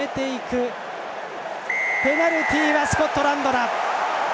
ペナルティー、スコットランド！